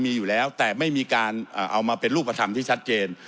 มีอยู่แล้วแต่ไม่มีการเอามาเป็นรูปธรรมที่ชัดเจน